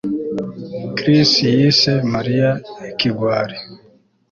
Chris yise Mariya ikigwari